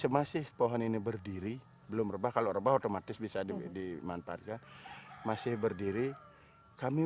masih pohon ini berdiri belum rebah kalau rebah otomatis bisa dimanfaatkan masih berdiri kami